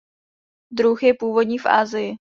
Druh je původní v Asii.